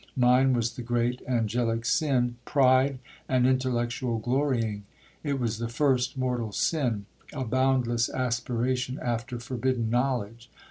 Mine was the great angelic sin—pride and intellectual glorying! It was the first mortal sin—a boundless aspiration after forbidden knowledge!